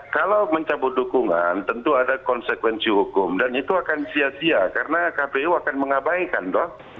kalau mencabut dukungan tentu ada konsekuensi hukum dan itu akan sia sia karena kpu akan mengabaikan dong